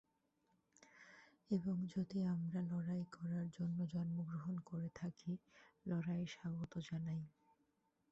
এবং যদি আমরা লড়াই করার জন্য জন্মগ্রহণ করে থাকি, লড়াইয়ে স্বাগত জানাই।